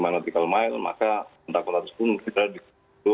lima nautical mile maka kontak kontak itu